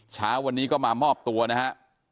เช้าวันนี้ก็มามอบตัวนะฮะ